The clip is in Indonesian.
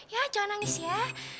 ya jangan nangis ya